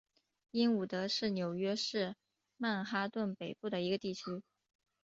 英伍德是纽约市曼哈顿北部的一个地区。